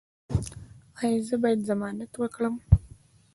ایا زه باید ضمانت وکړم؟